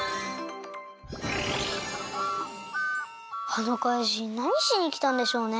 あのかいじんなにしにきたんでしょうね？